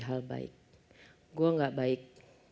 hal baik gue gak baik